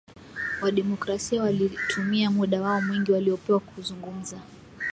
Wa demokrasia walitumia muda wao mwingi waliopewa kuzungumza